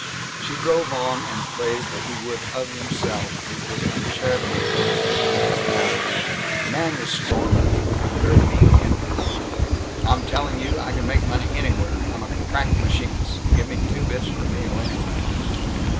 She drove on, and prayed that he would of himself leave his uncharitable hosts at the next town. The man was storming with a very meek ending: "I'm tellin' you! I can make money anywhere! I'm a crack machinist.... Give me two bits for a meal, anyway."